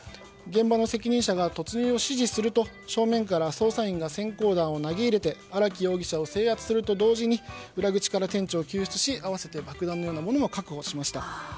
現場の責任者が突入を指示すると正面から捜査員が閃光弾を投げ入れて荒木容疑者を制圧すると同時に裏口から店長を救出し爆弾のようなものも確保しました。